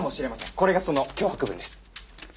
これがその脅迫文です。